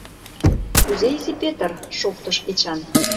— Кузе Изи Петр? — шоктыш Эчан.